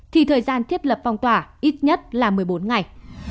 thì thời gian thiết lập phong tỏa ít nhất là một mươi bốn ngày